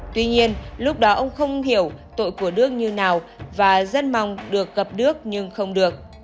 tuy nhiên lúc đó ông không hiểu tội của đương như nào và rất mong được gặp đước nhưng không được